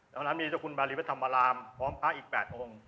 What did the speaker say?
แล้วนั้นมีเจ้าคุณบาริวัฒนธรรมารามพร้อมพระอีก๘องค์